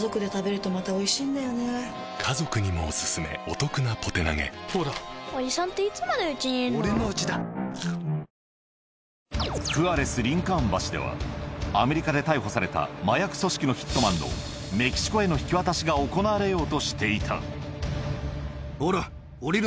今囚人が降ろされたフアレス＝リンカーン橋ではアメリカで逮捕された麻薬組織のヒットマンのメキシコへの引き渡しが行われようとしていた